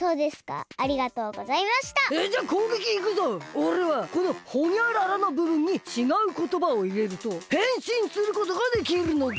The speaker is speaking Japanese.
おれはこのホニャララのぶぶんにちがうことばをいれるとへんしんすることができるのだ。